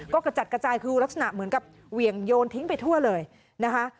ก็กระจัดกระจายคือลักษณะเหมือนกับเหวี่ยงโยนทิ้งไปทั่วเลยนะคะ